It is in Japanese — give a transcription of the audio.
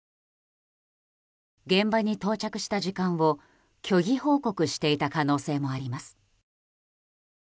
現場に到着した時間を虚偽報告していた可能性もあります。